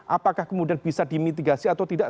apakah kemudian bisa dimitigasi atau tidak